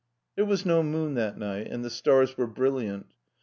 There was no moon that night, and the stars were brilliant.